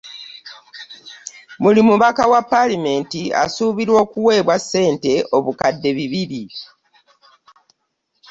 Buli mubaka wa ppaalamenti asuubirwa okuweebwa ssente obukadde bibiri